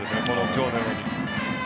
今日のように。